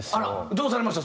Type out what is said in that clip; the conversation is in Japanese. どうされました？